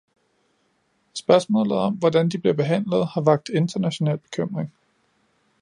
Spørgsmålet om, hvordan de bliver behandlet, har vakt international bekymring.